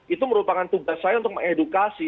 itu merupakan tugas saya untuk mengedukasi